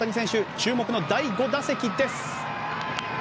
注目の第５打席です。